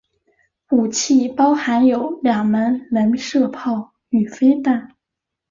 武器包含有两门雷射炮与飞弹。